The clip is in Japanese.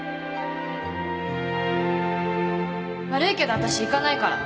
悪いけどわたし行かないから